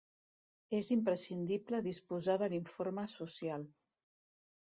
És imprescindible disposar de l'informe social.